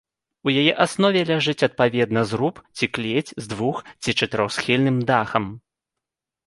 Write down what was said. У яе аснове ляжыць адпаведна зруб ці клець з двух- ці чатырохсхільным дахам.